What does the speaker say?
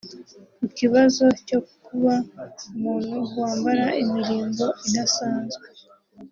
Ku kibazo cyo kuba umuntu wambara imirimbo idasanzwe